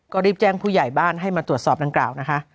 ก็รีบแจ้งผู้ใหญ่บ้านให้มาตรวจสอบดังกล่าวนะคะ